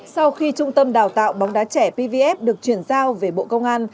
sau khi trung tâm đào tạo bóng đá trẻ pvf được chuyển giao về bộ công an